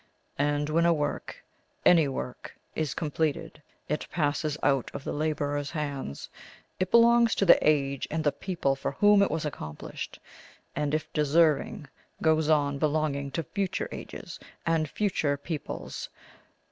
And when a work, any work, is completed, it passes out of the labourer's hands; it belongs to the age and the people for whom it was accomplished, and, if deserving, goes on belonging to future ages and future peoples.